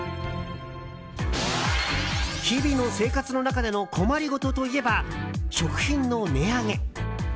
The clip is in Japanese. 日々の生活の中での困りごとといえば、食品の値上げ。